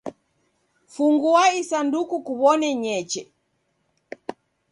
Fungua isanduku kuw'one ny'eche.